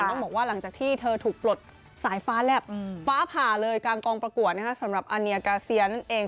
ต้องบอกว่าหลังจากที่เธอถูกปลดสายฟ้าแหลบฟ้าผ่าเลยกลางกองประกวดสำหรับอาเนียกาเซียนั่นเอง